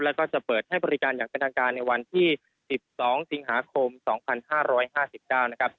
แล้วก็จะเปิดให้บริการอย่างกระดังการในวันที่สิบสองสิงหาคมสองพันห้าร้อยห้าสิบเก้านะครับ